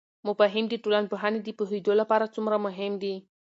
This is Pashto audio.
مفاهیم د ټولنپوهنې د پوهیدو لپاره څومره مهم دي؟